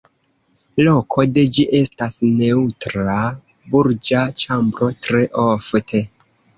Loko de ĝi estas neŭtra burĝa ĉambro tre ofte.